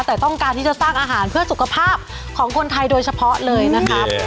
แต่ต้องการที่จะสร้างอาหารเพื่อสุขภาพของคนไทยโดยเฉพาะเลยนะครับ